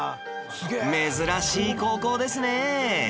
珍しい高校ですねえ